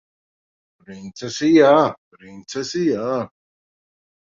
Princesi jā! Princesi jā!